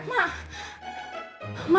kenapa tat ma